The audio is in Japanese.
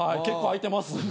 結構空いてます。